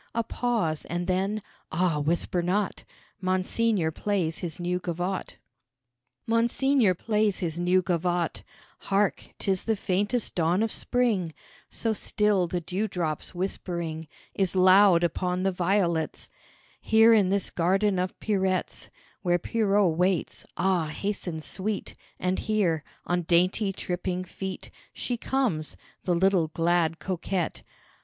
A pause, and then (Ah, whisper not) Monseigneur plays his new gavotte. Monseigneur plays his new gavotte Hark, 'tis the faintest dawn of Spring, So still the dew drops whispering Is loud upon the violets; Here in this garden of Pierrettes' Where Pierrot waits, ah, hasten Sweet, And hear; on dainty, tripping feet She comes the little, glad coquette.